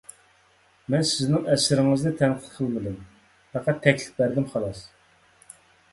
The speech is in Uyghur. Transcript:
مەن سىزنىڭ ئەسىرىڭىزنى تەنقىد قىلمىدىم، پەقەت تەكلىپ بەردىم، خالاس.